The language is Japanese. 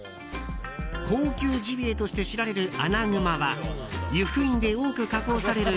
高級ジビエとして知られるアナグマは由布院で多く加工される